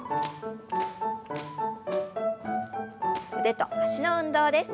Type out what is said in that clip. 腕と脚の運動です。